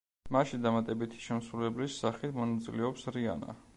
მასში დამატებითი შემსრულებლის სახით მონაწილეობს რიანა.